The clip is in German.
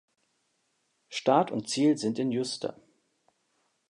Start und Ziel sind in Uster.